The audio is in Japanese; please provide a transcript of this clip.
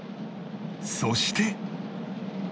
そして